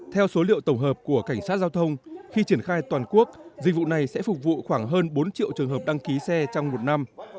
theo số liệu tổng hợp của cảnh sát giao thông khi triển khai toàn quốc dịch vụ này sẽ phục vụ khoảng hơn bốn triệu trường hợp đăng ký xe trong một năm